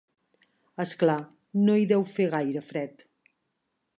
És clar, no hi deu fer gaire fred.